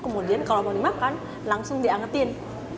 kemudian kalau mau dimakan langsung diangetin